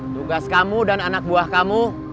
tugas kamu dan anak buah kamu